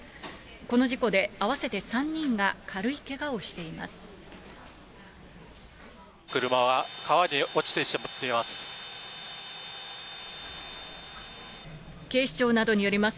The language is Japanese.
この事故で、合わせて３人が軽いけがをしています。